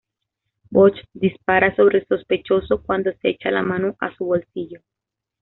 Bosch dispara sobre el sospechoso cuando se echa la mano a su bolsillo.